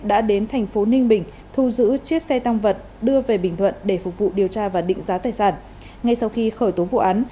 đã đến thành phố ninh bình thu giữ chiếc xe tăng vật đưa về bình thuận để phục vụ điều tra và định giá tài sản ngay sau khi khởi tố vụ án